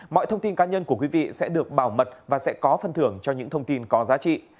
mọi thông tin cá nhân của quý vị sẽ được bảo mật và sẽ có phân thưởng cho những thông tin có giá trị